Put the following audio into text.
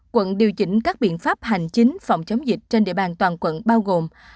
quận điều chỉnh các biện pháp hành chính phòng chống dịch trên địa bàn toàn quận bao gồm